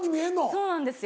そうなんですよ。